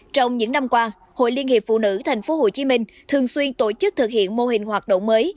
trong những năm qua hội liên hiệp phụ nữ thành phố hồ chí minh thường xuyên tổ chức thực hiện mô hình hoạt động mới